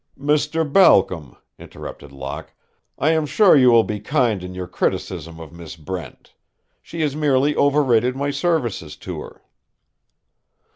"Mr. Balcom," interrupted Locke, "I am sure you will be kind in your criticism of Miss Brent. She has merely overrated my service to her."